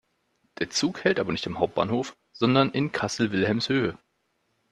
Der Zug hält aber nicht am Hauptbahnhof, sondern in Kassel-Wilhelmshöhe.